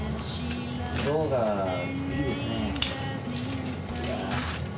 色がいいですね。